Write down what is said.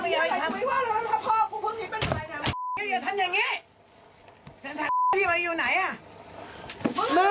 อย่าทำอย่างงี้สิมันไม่ดีของเราเสีย